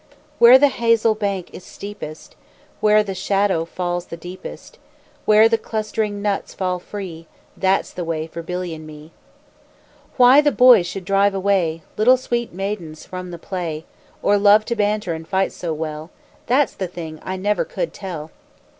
Where the hazel bank is steepest, Where the shadow falls the deepest, Where the clustering nuts fall free, That's the way for Billy and me. Why the boys should drive away Little sweet maidens from the play, Or love to banter and fight so well, That's the thing I never could tell.